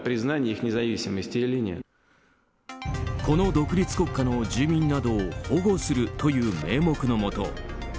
この独立国家の住民などを保護するという名目のもと